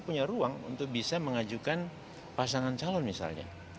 punya ruang untuk bisa mengajukan pasangan calon misalnya